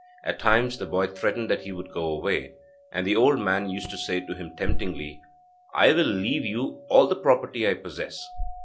At times, the boy threatened that he would go away, and the old man used to say to him temptingly: 'I will leave you all the property I possess.'